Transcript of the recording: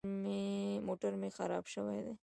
موټر مې خراب شوی دی.